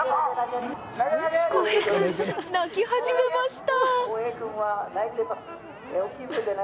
航平くん、泣き始めました。